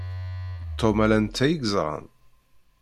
Tom, ala netta i yeẓran.